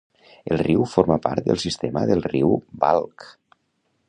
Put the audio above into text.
El riu forma part del sistema del riu Balkh.